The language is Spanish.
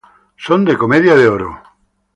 Son de comedia de oro".